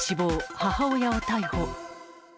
母親を逮捕。